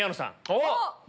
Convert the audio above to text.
おっ！